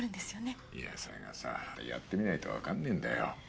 いやそれがさやってみないとわかんねえんだよ。